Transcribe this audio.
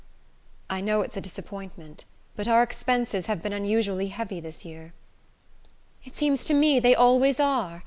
"I know it's a disappointment. But our expenses have been unusually heavy this year." "It seems to me they always are.